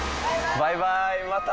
バイバイまた。